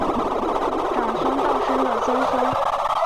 长孙道生的曾孙。